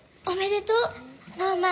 おめでとう。